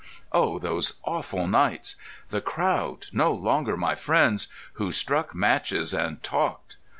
Oh, those awful nights! The crowd, no longer my friends, who struck matches and talked.